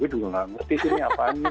gue dulu lah ngerti sih ini apaan nih